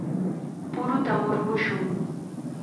¡Puruta murumushun!